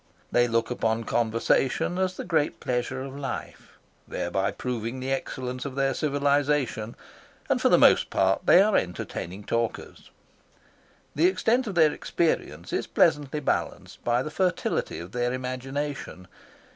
They look upon conversation as the great pleasure of life, thereby proving the excellence of their civilisation, and for the most part they are entertaining talkers. The extent of their experience is pleasantly balanced by the fertility of their imagination.